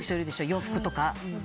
洋服とか。